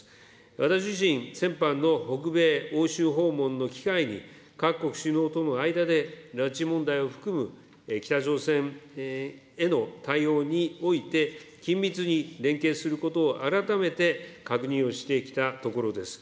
私自身、先般の北米欧州訪問の機会に各国首脳との間で、拉致問題を含む北朝鮮への対応において、緊密に連携することを改めて確認をしてきたところです。